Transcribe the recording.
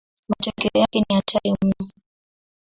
Matokeo yake ni hatari mno.